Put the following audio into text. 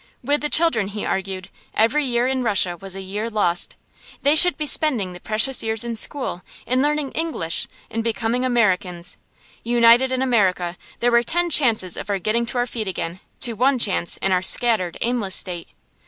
With the children, he argued, every year in Russia was a year lost. They should be spending the precious years in school, in learning English, in becoming Americans. United in America, there were ten chances of our getting to our feet again to one chance in our scattered, aimless state.